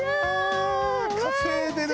稼いでる。